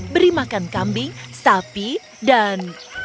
beri makan kambing sapi dan